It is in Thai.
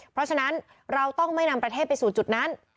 เพราะฉะนั้นเราต้องไม่นำประเทศไปสู่จุดนั้น